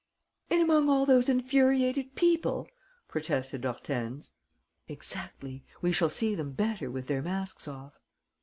"In among all those infuriated people?" protested Hortense. "Exactly. We shall see them better with their masks off."